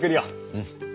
うん。